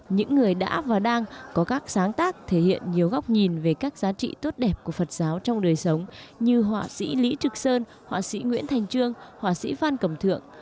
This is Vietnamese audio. những người đã và đang có các sáng tác thể hiện nhiều góc nhìn về các giá trị tốt đẹp của phật giáo trong đời sống như họa sĩ lý trực sơn họa sĩ nguyễn thành trương họa sĩ phan cẩm thượng